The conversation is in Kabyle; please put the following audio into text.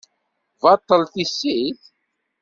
Baṭel tissit?